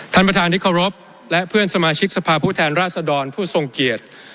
ท่านประธานที่เคารพและเพื่อนสมาชิกสภาพผู้แทนราชดรผู้ทรงเกียรติ